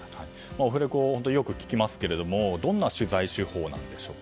オフレコ、よく聞きますがどんな取材手法なんでしょうか。